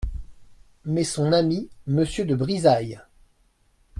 Mais son ami, Monsieur de Brizailles.